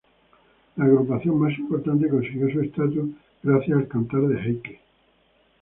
La agrupación más importante consiguió su estatus gracias al Cantar de Heike.